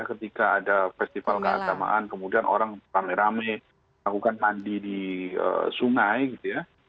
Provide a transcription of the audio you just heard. ketika ada festival keagamaan kemudian orang rame rame lakukan mandi di sungai gitu ya